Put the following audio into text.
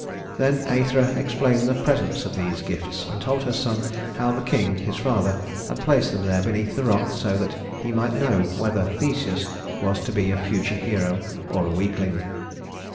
Then Æthra explained the presence of these gifts, and told her son how the king, his father, had placed them there beneath the rock, so that he might know whether Theseus was to be a future hero or a weakling.